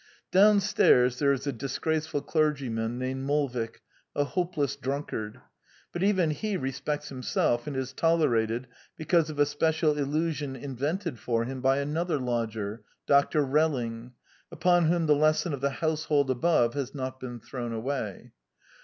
Downstairs there is a disgraceful clergyman named Molvik, a hopeless drunkard; but even he respects himself and is tolerated because of a special illusion invented for him by another lodger. Dr. Relling, upon whom the lesson of the household above has not been thrown away.